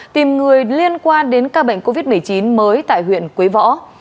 tìm người liên quan đến ca bệnh covid một mươi chín mới tại huyện quế võ